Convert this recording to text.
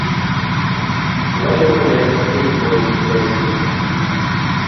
Walemone jopuonj lesni